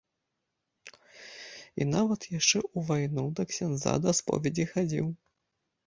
І нават яшчэ ў вайну да ксяндза да споведзі хадзіў.